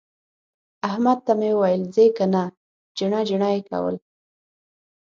احمد ته مې وويل چې ځې که نه؟ جڼه جڼه يې کول.